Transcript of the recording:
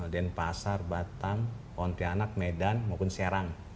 denpasar batam pontianak medan maupun serang